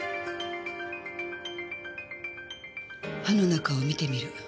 歯の中を見てみる。